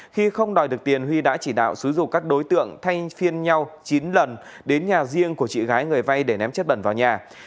khi không đòi được tiền huy đã chỉ đạo xúi dục các đối tượng thay phiên nhau chín lần đến nhà riêng của chị gái người vay để ném chất bẩn vào nhà